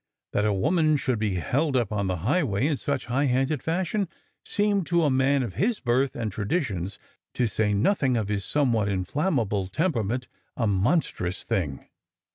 That a woman should be held up on the highway in such high handed fashion seemed to a man of his birth and traditions— to say nothing of his somewhat inflammable temperament— a monstrous thing.